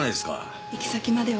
行き先までは。